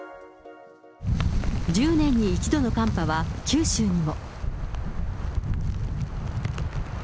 １０年に一度の寒波は九州にも。